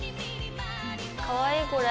かわいいこれ。